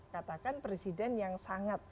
katakan presiden yang sangat